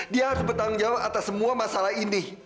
dia harus bertanggung jawab atas semua masalah ini